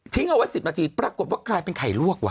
เอาไว้๑๐นาทีปรากฏว่ากลายเป็นไข่ลวกว่